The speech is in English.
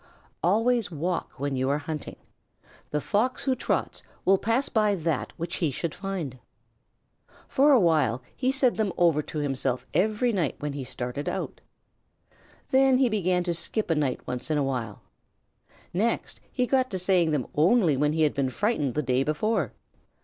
"Always walk when you are hunting. The Fox who trots will pass by that which he should find." For a while he said them over to himself every night when he started out. Then he began to skip a night once in a while. Next he got to saying them only when he had been frightened the day before.